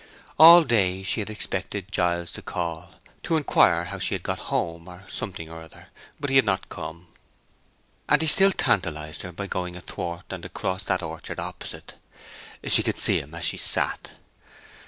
All day she had expected Giles to call—to inquire how she had got home, or something or other; but he had not come. And he still tantalized her by going athwart and across that orchard opposite. She could see him as she sat.